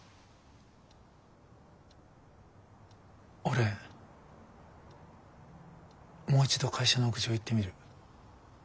俺もう一度会社の屋上行ってみる。